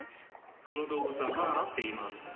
この動物はマーラっていいます。